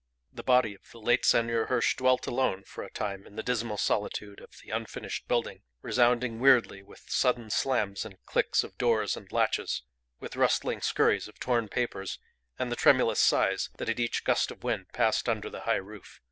The body of the late Senor Hirsch dwelt alone for a time in the dismal solitude of the unfinished building, resounding weirdly with sudden slams and clicks of doors and latches, with rustling scurries of torn papers, and the tremulous sighs that at each gust of wind passed under the high roof.